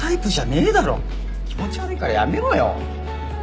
気持ち悪いからやめろよ。